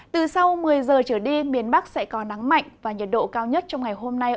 từ sau một mươi giờ trở đi miền bắc sẽ có nắng mạnh và nhiệt độ cao nhất trong ngày hôm nay